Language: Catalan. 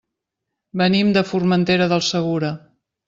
Venim de Formentera del Segura.